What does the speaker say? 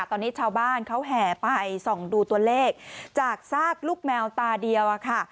ตอนนี้ชาวบ้านเขาแห่ไปส่องดูตัวเลขจากซากลูกแมวตาเดียวค่ะ